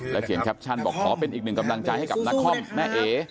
เขียนแคปชั่นบอกขอเป็นอีกหนึ่งกำลังใจให้กับนครแม่เอ